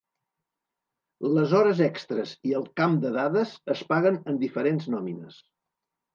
Les hores extres i el camp de dades es paguen en diferents nòmines.